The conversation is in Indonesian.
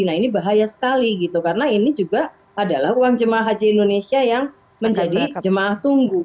nah ini bahaya sekali gitu karena ini juga adalah uang jemaah haji indonesia yang menjadi jemaah tunggu